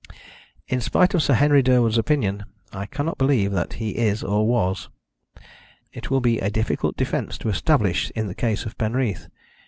In spite of Sir Henry Durwood's opinion, I cannot believe that he is, or was. It will be a difficult defence to establish in the case of Penreath.